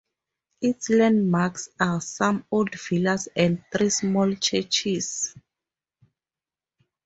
Its landmarks are some old villas and three small churches.